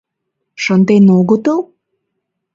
— Шынден огытыл?!